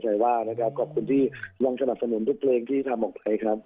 แต่ว่านะครับขอบคุณที่ลองสนับสนุนทุกเพลงที่ทำออกไปครับ